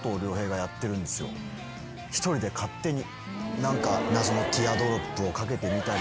１人で勝手に。